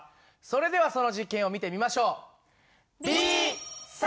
それではその実験を見てみましょう。